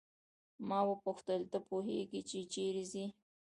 ما وپوښتل ته پوهیږې چې چیرې ځې.